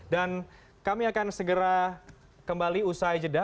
dan kami akan segera kembali usai jeda